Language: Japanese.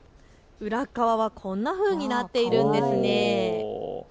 裏側はこんなふうになっているんです。